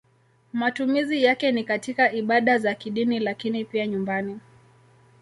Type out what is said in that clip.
Matumizi yake ni katika ibada za kidini lakini pia nyumbani.